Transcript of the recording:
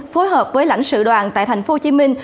phối hợp với lãnh sự đoàn tại thành phố hồ chí minh